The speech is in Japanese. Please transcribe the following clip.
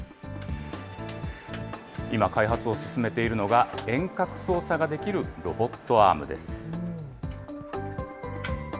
今、開発を進めているのが、遠隔操作ができるロボットアームです。